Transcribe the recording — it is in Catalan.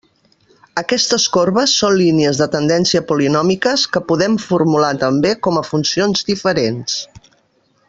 Aquestes corbes són línies de tendència polinòmiques, que podem formular també com a funcions diferents.